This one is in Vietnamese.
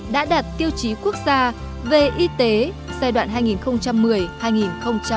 đã đạt tiêu chí quốc gia về y tế giai đoạn hai nghìn một mươi hai nghìn hai mươi